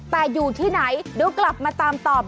แต่อยู่ที่ไหนเดี๋ยวกลับมาตามตอบ